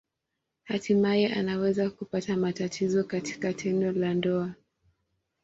Hatimaye anaweza kupata matatizo katika tendo la ndoa.